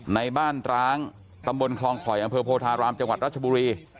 ในบ้านร้างตำบลคลองคอยอำเภอโพธารามจังหวัดรัชบุรี